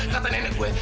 kata nenek gue